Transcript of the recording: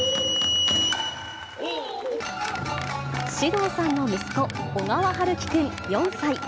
獅童さんの息子、小川陽喜くん４歳。